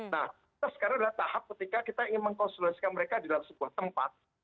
nah kita sekarang adalah tahap ketika kita ingin mengkonsolidasikan mereka di dalam sebuah tempat